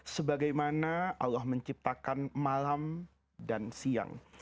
sebagaimana allah menciptakan malam dan siang